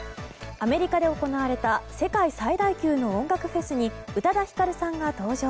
アメリカで行われた世界最大級の音楽フェスに宇多田ヒカルさんが登場。